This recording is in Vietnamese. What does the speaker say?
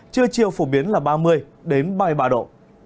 chưa chiều phổ biến là ba mươi đến ba mươi ba độ